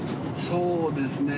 そうですね。